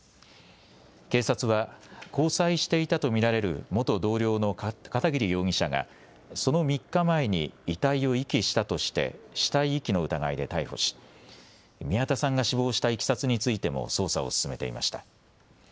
警察は交際していたと見られる元同僚の片桐容疑者がその３日前に遺体を遺棄したとして死体遺棄の疑いで逮捕し宮田さんが死亡したいきさつについても捜査を進めていました。